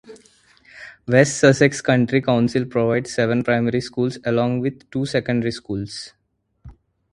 West Sussex County Council provides seven primary schools along with two secondary schools.